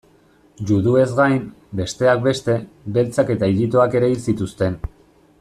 Juduez gain, besteak beste, beltzak eta ijitoak ere hil zituzten.